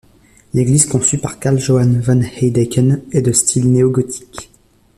L'église conçue par Carl Johan von Heideken est de style néogothique.